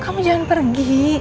kamu jangan pergi